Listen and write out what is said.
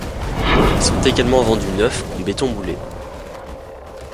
Ils sont également vendus neufs, en béton moulé.